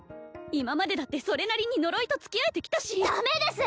今までだってそれなりに呪いと付き合えてきたしダメです